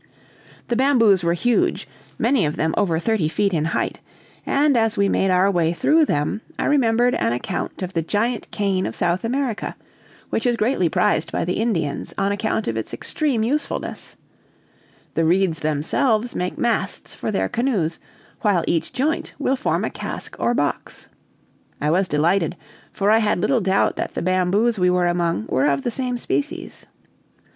The bamboos were huge, many of them over thirty feet in height; and, as we made our way through them, I remembered an account of the giant cane of South America, which is greatly prized by the Indians on account of its extreme usefulness; the reeds themselves make masts for their canoes, while each joint will form a cask or box. I was delighted, for I had little doubt that the bamboos we were among were of the same species.